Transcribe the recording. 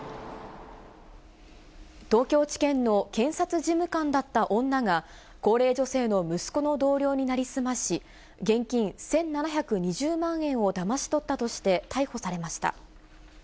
東京地検の検察事務官だった女が、高齢女性の息子の同僚に成り済まし、現金１７２０万円をだまし取ったとして逮捕されました。